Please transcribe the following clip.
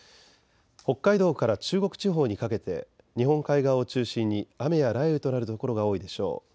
北海道から中国地方にかけて日本海側を中心に雨や雷雨となる所が多いでしょう。